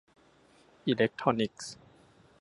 อิเล็กทรอนิกส์